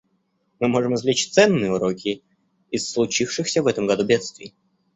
Мы можем извлечь ценные уроки из случившихся в этом году бедствий.